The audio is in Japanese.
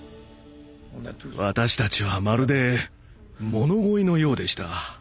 私たちはまるで物乞いのようでした。